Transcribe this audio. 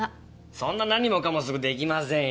そんな何もかもすぐ出来ませんよ。